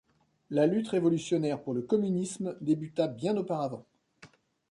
La lutte révolutionnaire pour le communisme débuta bien auparavant.